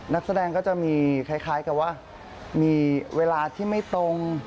นักแสดงก็จะมีคล้ายกับว่ามีเวลาที่ไม่ตรง